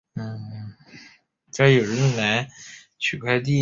中国大陆政府的新规定限制了人民币和比特币之间的交易。